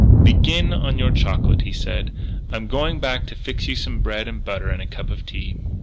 "Begin on your chocolate," he said. "I'm going back to fix you some bread and butter and a cup of tea."